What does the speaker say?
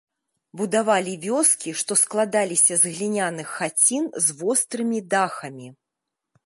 Будавалі вёскі, што складаліся з гліняных хацін з вострымі дахамі.